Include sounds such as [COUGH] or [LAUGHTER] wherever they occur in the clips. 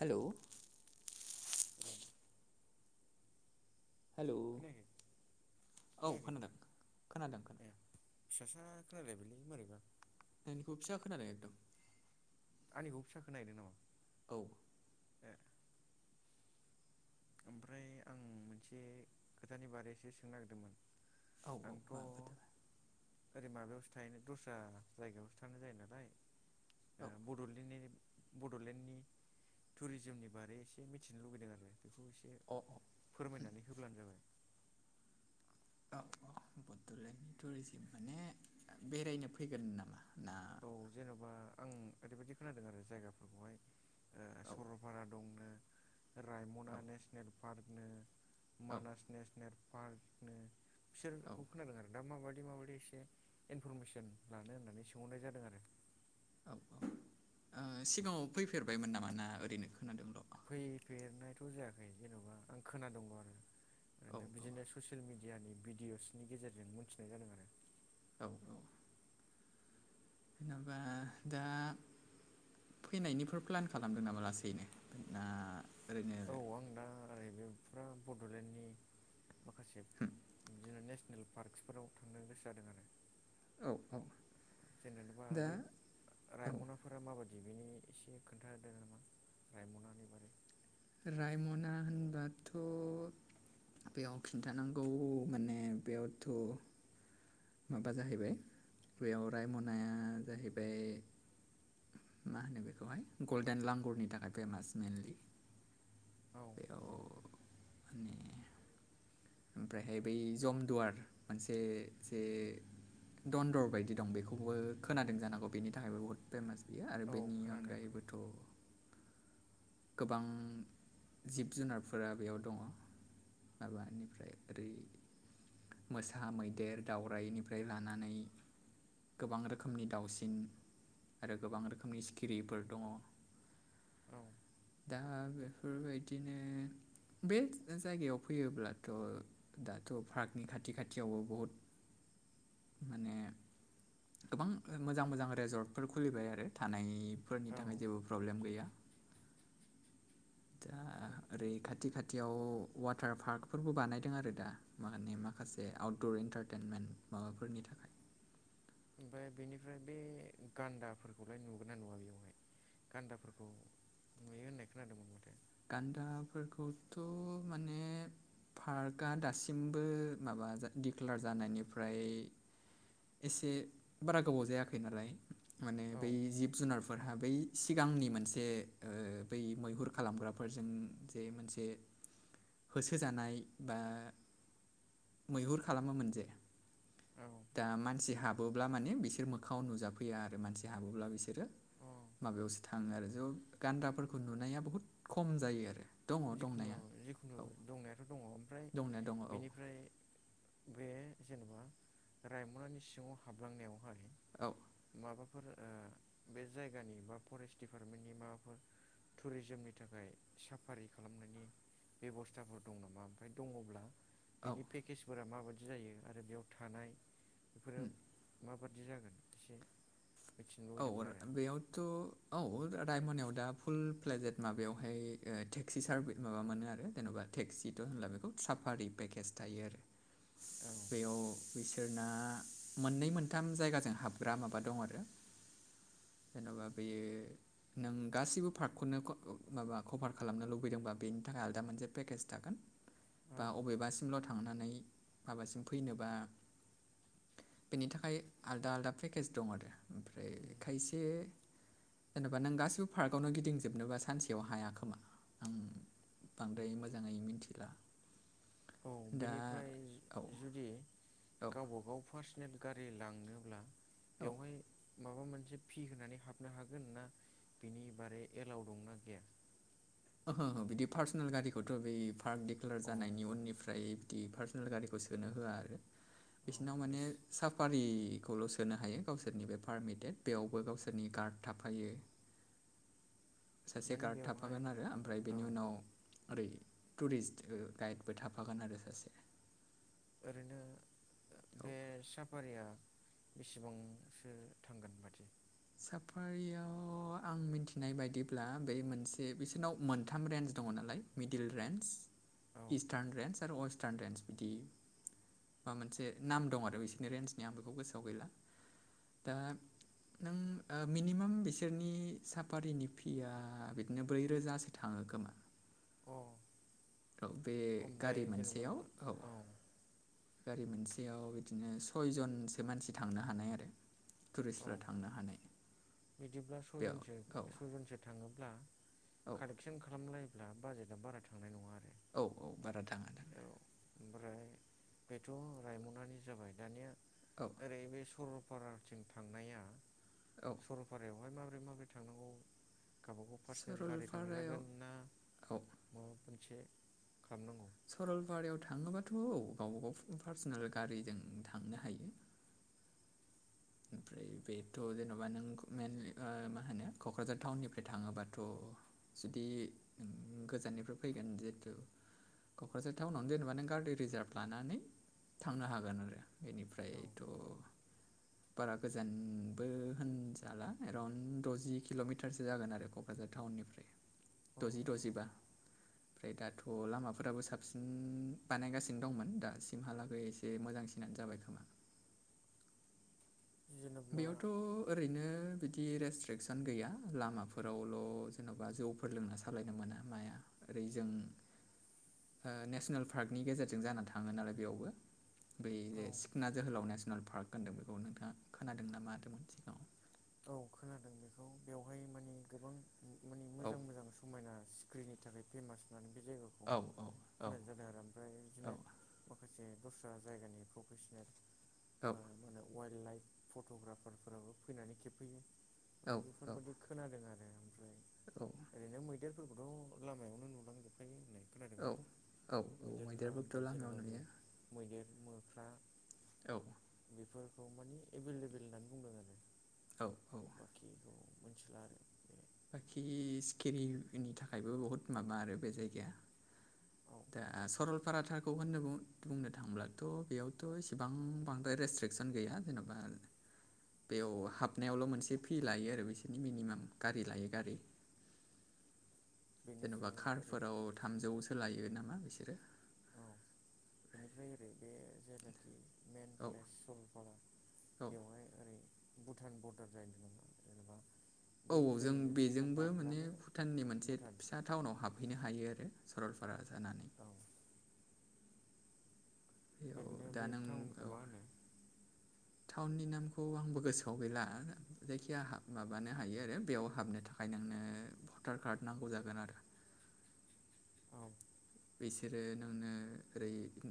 Hello [INAUDIBLE] हेल' hello खोनायाखै औ खोनायाखै खोनादों खोनादों खोनादों ए। फिसासा खोनालायबायलै माबोरैबा। नोंनिखौ फिसा खोनाबाय एकदम। आंनिखौबो फिसा खोनाहैदों नामा? औ ए ओमफ्राय आं मोनसे खोथानि बारैसो सोंनो नागिरदोंमोन औ औ आंथ' मा खोथा ओरै माबायावसो थाहैनो दस्रा जायगायावसो थानाय जायो नालाय औ बड'लेण्डनि बड'लेण्डनि टुरिजिमनि बारै एसे मिथिनो लुुबैदों आरो बेखौ एसे अ अ फोरमायनानै होब्लानो जाबाय। औ औ बड'लेण्डनि टुरिजिम माने बेरायनो फैगोन नामा ना? औ जेन'बा आं ओरैबायदि खोनादों आरो जायगाफोरखौहाय औ सरलपारा दंनो औ रायमना नेसनेल पार्कनो मानास नेसनेल पार्कनो औ बिसोरखौ खोनादों आरो दा माबायदि माबायदि एसे इनफरमेसन लानो होननानै सोंहरनाय जादों आरो। औ औ ओ सिगाङाव फैफेरबायमोन नामा ना ओरैनो खोनादोंल'? फैफेरनायथ' जायाखै जेन'बा आं खोना दोंल' आरो औ ओरैनो बिदिनो ससियेल मि डियानि भिडिअसनि गेजेरजों मिथिनाय जादों आरो। औ औ जेन'बा दा फैनायनिफोर प्लान खालामदों नामा लासैनो ना ओरैनो औ आं दा ओरै बे फुरा बड'लेण्डनि माखासे बिदिनो नेस नेल पार्कसफोराव थांनो गोसो जादों आरो। औ औ जेनेबा दा बै औ रायम'ना फोरा माबादि बेनि एसे खोन्थादो नामा रायम'नानि बारै रायम'ना होनबाथ' बेयाव खिन्थानांगौ माने बेयावथ' माबा जाहैबाय बेयाव रायम'नाया जाहैबाय मा होनो बेखौहाय गल्डेन लांगुरनि थाखाय फेमास मेनलि। औ बेयाव ओमफायहाय बै जमदुवार मोनसे जे दन्दर बायदि दं बेखौबो खोनादों जानो हांगौ बेनि थाखायबो बहुद फेमास बियो आरो औ बेनि खोनादों अनगायैबोथ' खोनादों गोबां जिब जुनारफोरा बेयाव दङ आबादनिफ्राय ओरै मोसा मैदेर दावउरायाइनिफ्राय लानानै गोबां रोखोमनि दाउसिन आरो गोबां रोखोमनि सिखिरिफोर दङ औ दा बेफोरबायदिनो बे जायगायाव फैयोब्ला थ' दाथ' प्राकनि खाथि खाथियावबो बहुद माने गोबां मोजां मोजां रेजर्टफोर खुलिबाय आरो थानायफोरनि औ थाखाय जेबो प्रब्लेम गैया। दा ओरै खाथि खा थिआव अवाटार पार्कफोरबो बानायदों आरो दा मे माखासे आउटदर एन्टारटेनमेन्ट माबाफोरनि थाखाय ओमफाय बेनिफ्राय बे गान्दाफोरखौलाय नुगोनना नुवा बेयावहाय गान्दाफोरखौ नुयो होनाय खोनादोंमोन माथो गान्दाफोरखौथ' माने पार्कआ दासिमबो माबा दिडक्लार जानायनिफ्राय एसे बारा गोबाव जायाखै नालाय माने औ बै जिब जुनारफोरहा बै सिगांनि मोनसे ओ बै मैहुर खालामग्रा फोरजों जे मोनसे होसोजानाय बा मैहुर खालामोमोन जे औ दा मानसि हाबोब्ला माने बिसोर मोखाङाव नुजाफैया आरो मानसि हाबोब्ला बि सोरो अ माबायावसो थाङो आरो ज' गान्दाफोरखौ नुनाया बहुद खम जायो आरो दङ जिखुनु दंनाया जिखुनु औ दंनायाथ' दंङ ओमफ्राय दंनाया दङ औ बेनिफ्राय बे जेनेबा रायमनानि सिङाव हाबलांनायावहाय औ। माबाफोर ओ बे जायगानि बा फरेस्ट दिडिपार्टमेन्टनि माबाफोर थुरेजोमनि थाखाय साफ फारि खालामनायनि बेब'स्थाफोर दं नामा ओमफाय दङब्ला औ बेनि उम पे केसफोरा माबायदि जायो आरो बेयाव थानाय बेफोरो माबादि जागोन एसे मिथिनो औ लुुबैदोंमोन आरो बेयावथ' औ रायमनायाव दा फुल प्लेजेट माबायावहाय ओ टेक्सि सारभि माबा मोनो आरो जेन'बा टेक्सिथ' होनला बेखौ साफारि पेकेज थायो आरो औ औ बिसोरना मोननै मोनथाम जायगाजों हाबग्रा माबा दं आरो जेन'बा बेयो नों गासैबो पार्कखौनो माबा कभार खालामनो लुबैदोंबा बेनि थाखाय आलदा मोनसे पेकेज थागोन। औ बा अबेबासिमल' थांनानै माबासिम फैनोबा बेनि थाखाय आलदा आलदा पेकेज दं आरो ओमफ्राय खायसे जेनेबा नों गासिबो पार्कआवनो गिदिंजोबनोबा सानसेयाव हाया खोमा आम बांद्राय मोजाङै मिथिला औ बेनिफ्राय जु-जुदि औ गाव गावबा गाव पार्सनेल गारि लांनोब्ला औ बेवहाय माबा मोनसे फि होनानै हाबनो हागोन ना, बिनि बारै एलाव दंना गैया? ओहो ओह बिदि पार्सनेल गारिखौथ' बै पार्क दिडिक्लार अ जानायनि उननिफ्राय बिदि पार सनेल गारिखौ सोंनो होआ आरो। औ बिसिनाव माने इस साफारिखौल' सोनो हायो गावसोरनि बे पारमिटेड बेयावबो गावसोरनि गार्ड थाफायो। [INAUDIBLE] सासे गार्ड बेवहाय थाफागोन आरो, ओमफ्राय औ बेनि उनाव ओरै टुरिस्ट ओ गाइडबो थाफागोन आरो सासे। ओरैनो औ बे सा फारिया बेसेबांसो थांगोनबादि? साफारियाव आं मिथिनाय बायदिब्ला बे मोनसे बिसोरनाव मोनथाम रेन्ज दङ' नालाय मिडल रेन्ज, औ इस्टार्न रेन्ज आरो वस टार्न रेन्ज बिदि बा मोनसे नाम दं आरो बिसिरनि रेन्जनि आं बेखौ गोसोआव गैला। दा नों ओ मिनिमाम बिसोरनि साफारिनि फिया बिदिनो ब्रै रोजासो थाङो खोमा। अ औ बे ओमफ्राय गारि जेनेबा मोनसेयाव औ। गारि मोनसेआव बिदिनो सयजनसो मानसि थांनो हानाय आरो। औ टुरिस्टफोरा थांनो हानाय। बिदिब्ला बेयाव सयजनसो औ सयजनसो थाङोब्ला औ कारेक्ट [UNINTELLIGIBLE] खालामलायोब्ला बाजेटआ बारा थांनाय नङा आरो। औ औ बारा थाङा थाङा। औ ओमफ्राय बेथ' रायमनानि जाबाय, दानिया औ। ओरै बे सरलपाराथिं थांनाया औ सरलपारायावहाय माबोरै माबोरै थांनांगौ गावबा गाव पार्सनेल गारि सरलपारायाव थांजागोन ना औ माबा मोनसे खालामनांगौ? सरलपारायाव थाङोबाथ' औ गावबा गाव पा-पार्सनेल गारिजों थांनो हायो। ओमफ्राय बेथ' जेन'बा नों मेइेन ओ माहोनो क'क्राझार टाउननिफ्राय थाङोबाथ' जुदि नों गोजाननिफ्राय फैगोन, जिहेथु क'क्राझार टाउनावनो जेनेबा नों गारि रिजार्भ लानानै थांनो हागोन आरो। औ बेनिफ्रायथ' बारा गोजानबो होनजाला एराउन्ड द'जि किल'मिटारसो जागोन आरो क'क क्राझार टाउननिफ्राय औ द'जि द'जिबा [INAUDIBLE] ओमफ्राय दाथ' लामाफोराबो साबसिन बानायगासिनो दंमोन, दासिमहालागै एसे बे मोजांसिनानो जाबाय खोमा। जेनेब्ला बेयावथ' ओरैनो बिदि रेस्ट्रिकसन गैया, लामाफोरावल' जेन'बा जौ फोर लोंना सालायनो मोना माया ओरै जों ओ नेसनेल पार्कनि गेजेरजों जाना थाङो नालाय बेयावबो। बे औ जे सिख्ना जोहोलाव नेसनेल पार्क होनदों बेखौ नोंथाङा खोनादों ना मादोंमोन सिगाङाव? औ खोनादों बेखौ बेवहाय माने गोबां मा-माने औ मोजां मोजां स समायना सिख्रिनि थाखाय फेमास होननानै बे जायगाखौ औ औ औ खोनानाय जादों आरो ओमफ्राय औ बिदिनो माखासे दस्रा जायगानि प्रफेसनेल औ मा माहोनो वाइल्ड लाइफ फट'ग्राफारफोराबो फैनानै खेबफैयो। औ माने बेफोरबायदि खोनादों आरो ओमफ्राय औ ओरैनो मैदेरफोरखौथ' लामायावनो नुलांजोबखायो होननाय। खोनादों औ आरो औ औ मैदेरफ्रा ओमफ्राय मैदेरफोरखौथ' लामायाव जेनेबा बे नुयो मैदेर मोख्रा औ। बेफोरखौ माने एभेलेबेल होननानै बुंदों आरो। औ औ। बाखिखौ मोनथिला आरो बे। बाखि सिखिरिनि थाखायबो बुहुत माबा आरो बे जायगाया। औ सरलपाराखौ बुंनो थांब्लाथ' बेयावथ' इसेबां बांद्राय रेस्ट्रिकसन गैया। जेनबा बेयाव हाबनायावल' मोनसे फि लायो आरो बिसोरनि मिनिमाम गारि लायै गारि। जेन'बा बेनिफ्राय ओरै थामजौसो लायो नामा बिसोरो। औ बेनिफ्राय ओरै बे जेनाखि मेन औ प्लेस सलपारा। औ बेवहाय ओरै भुटान बरडार जायो नामा जेनेबा। औ बै दै जों मोनसेखौ बेजोंबो माने बारब्लानो भुटाननि मोनसे भुटान फिसा टाउनाव हाबहैनो हायो आरो सरलपारा जानानै। औ बेयाव ओरैनो दा बे नों टाउनखौ औ मा होनो? टाउननि नामखौ आंबो गोसोआव गैला जायखिया माबानो हायो आरो बेयाव हाबनो थां भटार कार्ड नांगौ जागोन आरो। औ बिसोरो नोंनो ओरै ओ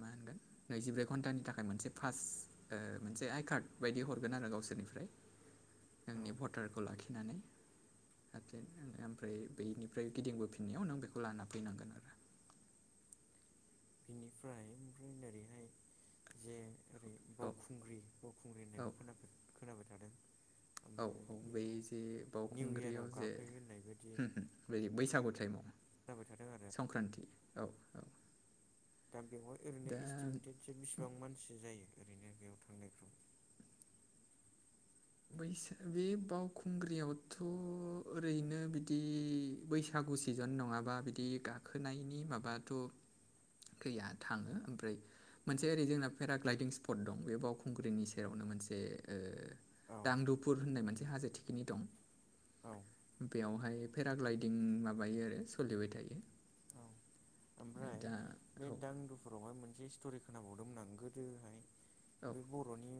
मा होनगोन नैजिब्रै घन्टानि थाखाय मोनसे फास्ट ओ मोनसे आइ कार्ड बादि हरगोन आरो गावसोरनिफ्राय। [INAUDIBLE] नोंनि भटारखौ लाखिनानै। ओमफ्राय बेनिफ्राय गिदिंबोफिननायाव नों बेखौ लाना फैनांगोन आरो। बिनिफ्राय ओमफ्राय ओरैहाय जे ओरै। औ बावखुंग्रि बावखुंग्रि औ होननायबो खोना खोनाबाय थादों। औ ओमफ्राय औ बै बेखौ जे निउ इयाराव बावखुंग्रियाव जे गाखोयो होननाय बायदि बे बैसागु टाइमाव। जाबाय थादों आरो संक्रान्ति औ औ दा बेयाव दा एस्टिमेटेड। बिसिबां मानसि जायो ओरैनो बेयाव थांनायफ्राव? बैसागु बे बावखुंग्रियावथ' ओरैनो बिदि बैसागु सिजेन नङाबा बिदि गाखोनायनि माबाथ' गैया थाङो ओमफ्राय मोनसे ओरै जोंना पेराग्लायदिं स्पट दं बे बावखुंग्रिनि सेरावनो मोनसे ओ औ दांगदुफुर होननाय मोनसे हाजो थिखिनि दं। औ। बेयावहाय पेराग्लायदिं माबायो आरो सोलिबाय थायो। ओमफ्राय। दा बे औ दांदुफुरावहाय मोनसे स्ट'रि खोनाबावदोंमोन आं गोदोहाय औ बे बर' बर'नि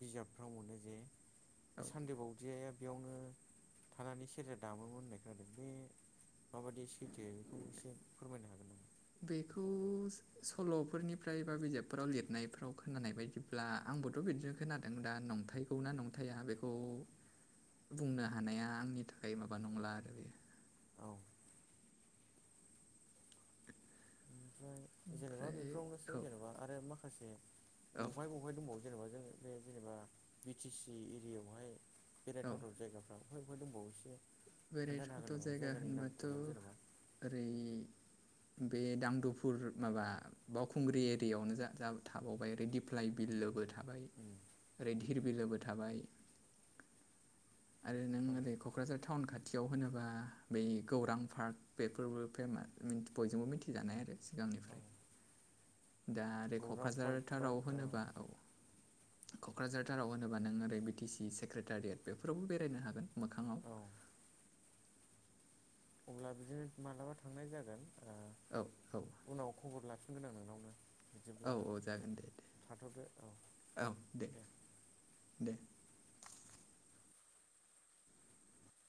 बिजाबफ्राव मोनो जे औ सानदो बावदियाया बेयावनो थानानै सेरजा दामोमोन होननाय खोनादों बे माबायदि सैथो बेखौ एसे फोरमायनो हागोन नामा? बेखौ सल'फोरनिफ्राय बा बिजाबफोराव लिरनायफ्राव खोनानाय बायदिब्ला आंबोथ' बिदिनो खोनादों दा नंथाइ नंथाया बेखौ नाथाय बेखौ बुंनो हानाया आंनि थाखाय माबा नंला आरो बेयो। औ ओनफ्राय जेनबा ओमफ्राय बिखौ एसे औ जेनबा आरो माखासे [UNINTELLIGIBLE] अबेहाय दंबावो जेनेबा जों बे जेनेबा बि टि सि एरियायावहाय औ औ बेरायथावथाव जायगा। बहाय बहाय दंबावोसो खोन्थानो हागोन बेरायथावथाव नामा जायगा जायगानि होनबाथ' नामखौल' जेनेबा। ओरै बे दांदुफुर माबा। बावखुंग्रि एरियायावनो थाबावबाय ओरै दिप्लइ बिलबो ओफाय उम ओरै दिरि बिलोबो थाबाय। आरो नों औ ओरै क'क्राझार टाउन खाथियाव होनोबा बै गौरां पार्क बेफोरबो फेमास। बयजोंबो मिथिजानाय आरो औ सिगांनिफ्राय। दा ओरै गौरां पार्क क'क्राझार बा थाराव होनोबा औ। क'क्राझार थाराव राव होनोबा नों ओरै बि टिसि सेक्रेटारियेट बेफोरावबो बेरायनो हागोन मोखाङाव औ अब्ला बिदिनो मालाबा थांनाय जागोन ओ, औ औ उनाव खबर लाफिनगोन आं नोंनावनो। औ बिदिब्ला औ जागोन दे दे थाथ'दो औ दे। दे